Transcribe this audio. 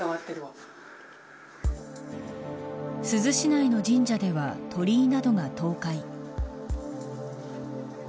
珠洲市内の神社では鳥居などが倒壊。